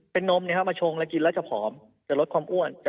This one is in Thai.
เป็นนมมาชงแล้วกินแล้วจะผอมจะลดความอ้วน